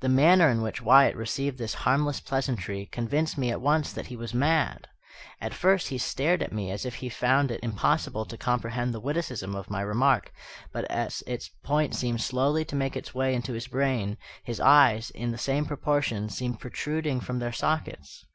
The manner in which Wyatt received this harmless pleasantry convinced me at once that he was mad. At first he stared at me as if he found it impossible to comprehend the witticism of my remark; but as its point seemed slowly to make its way into his brain, his eyes, in the same proportion, seemed protruding from their sockets.